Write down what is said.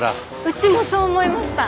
うちもそう思いました！